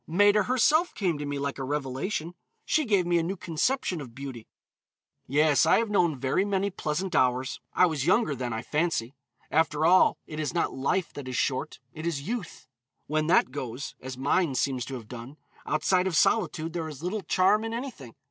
Maida herself came to me like a revelation. She gave me a new conception of beauty. Yes, I have known very many pleasant hours. I was younger then, I fancy. After all, it is not life that is short, it is youth. When that goes, as mine seems to have done, outside of solitude there is little charm in anything.